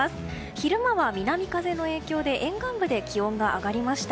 昼間は南風の影響で沿岸部で気温が上がりました。